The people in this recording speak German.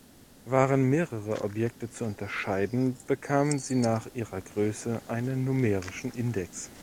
Waren mehrere Objekte zu unterscheiden, bekamen sie nach ihrer Größe einen numerischen Index.